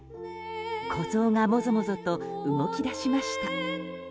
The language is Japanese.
小ゾウがもぞもぞと動き出しました。